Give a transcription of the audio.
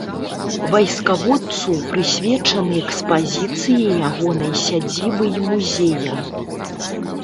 Вайскаводцу прысвечаны экспазіцыі ягонай сядзібы і музея.